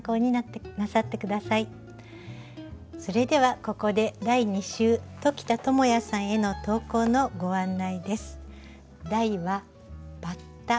それではここで第２週鴇田智哉さんへの投稿のご案内です。